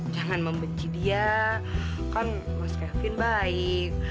jangan membenci dia kan mas kevin baik